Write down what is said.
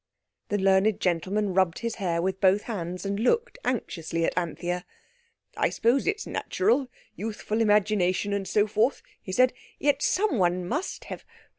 The learned gentleman rubbed his hair with both hands and looked anxiously at Anthea. "I suppose it's natural—youthful imagination and so forth," he said. "Yet someone must have...